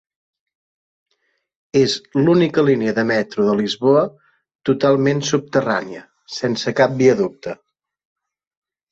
És l'única línia del Metro de Lisboa totalment subterrània, sense cap viaducte.